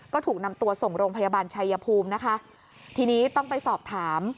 ก็ถูกนำตัวส่งโรงพยาบาลชัยภูมินะคะทีนี้ต้องไปสอบถาม